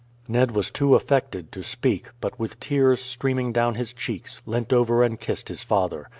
Ned was too affected to speak; but with tears streaming down his cheeks, leant over and kissed his father.